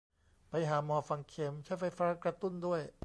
ไปหาหมอฝังเข็ม ใช้ไฟฟ้ากระตุ้นด้วย